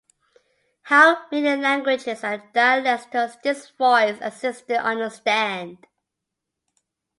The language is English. How many languages and dialects does this voice assistant understand?